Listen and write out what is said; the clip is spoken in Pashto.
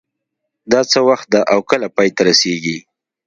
دا څه وخت ده او کله پای ته رسیږي